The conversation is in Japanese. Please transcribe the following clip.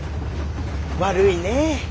悪いねえ。